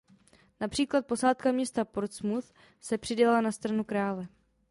Například posádka města Portsmouth se přidala na stranu krále.